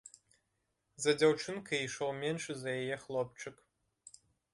За дзяўчынкай ішоў меншы за яе хлопчык.